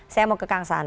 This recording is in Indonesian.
saya mau ke kang saan